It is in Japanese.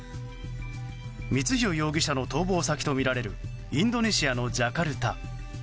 光弘容疑者の逃亡先とみられるインドネシアのジャカルタ。